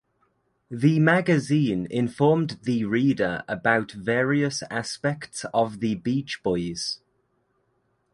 The magazine informed the reader about various aspects of the Beach Boys.